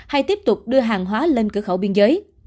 hay tiếp tục đưa hàng hóa lên cửa khẩu biên giới